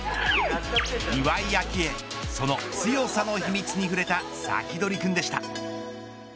岩井明愛その強さの秘密に触れたサキドリくんでした。